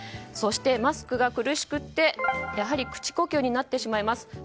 そしてマスクが苦しくてやはり口呼吸になってしまいます。